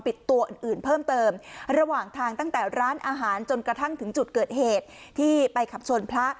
ตัวอื่นอื่นเพิ่มเติมระหว่างทางตั้งแต่ร้านอาหารจนกระทั่งถึงจุดเกิดเหตุที่ไปขับชนพระ